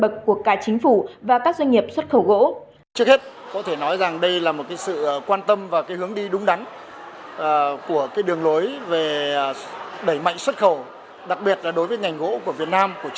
trước hết có thể nói rằng đây là một sự quan tâm và hướng đi đúng đắn